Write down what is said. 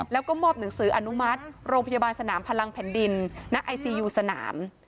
แล้วก็มอบหนังสืออนุมัติโรงพยาบาลสนามพลังแผ่นดินณไอซียูสนาม